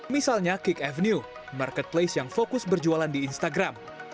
misalnya kick avenue marketplace yang fokus berjualan di instagram